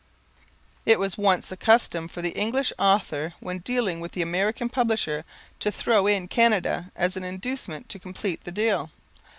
It was once the custom for the English author, when dealing with the American publisher, to throw in Canada as an inducement to complete the deal.